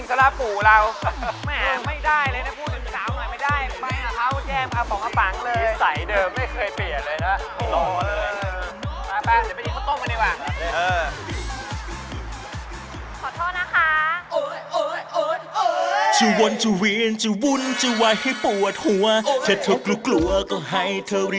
โอ้โหแหม่ชิงสระปู่เราแหม่ไม่ได้เลยนะพูดสินสาวหน่อยไม่ได้